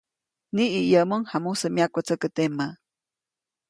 Niʼiyäʼmuŋ jamusä myakwätsäkä temä.